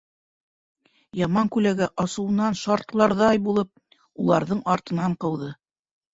Яман күләгә, асыуынан шартларҙай булып, уларҙың артынан ҡыуҙы.